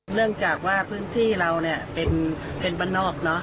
เนื่องจากว่าพื้นที่เราเนี่ยเป็นบ้านนอกเนอะ